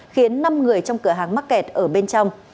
khiến năm người trong cửa hàng mắc kẹt ở bên trong